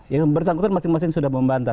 yang bersangkutan masing masing sudah membantah